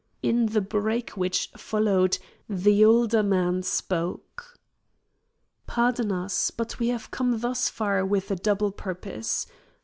In the break which followed, the older man spoke. "Pardon us, but we have come thus far with a double purpose.